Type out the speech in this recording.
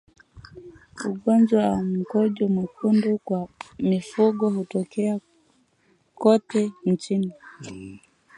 Ugonjwa wa mkojo mwekundu kwa mifugo hutokea kote nchini